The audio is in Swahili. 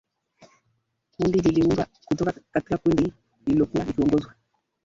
Kundi liliundwa kutoka kwa kundi lililokuwa likiongozwa